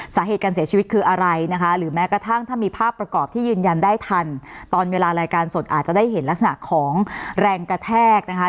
สาเหตุการเสียชีวิตคืออะไรนะคะหรือแม้กระทั่งถ้ามีภาพประกอบที่ยืนยันได้ทันตอนเวลารายการสดอาจจะได้เห็นลักษณะของแรงกระแทกนะคะ